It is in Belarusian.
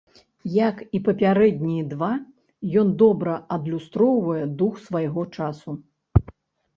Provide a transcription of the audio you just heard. Як і папярэднія два, ён добра адлюстроўвае дух свайго часу.